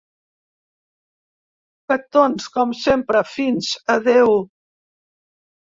Petons, com sempre, fins a deu.